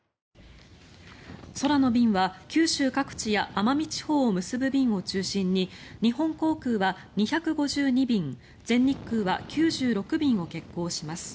空の便は九州各地や奄美地方を結ぶ便を中心に日本航空は２５２便全日空は９６便を欠航します。